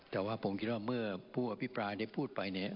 แต่ว่าผมคิดว่าเมื่อผู้อภิปรายได้พูดไปเนี่ย